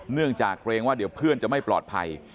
เนื่องจากเกรงว่าเดี๋ยวเพื่อนจะไม่ปลอดภัย